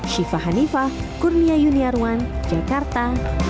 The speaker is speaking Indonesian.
syifa hanifah kurnia yuniarwan jakarta